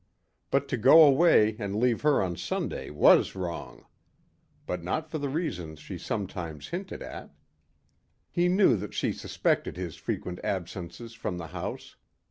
But to go away and leave her on Sunday was wrong. But not for the reasons she sometimes hinted at. He knew that she suspected his frequent absences from the house.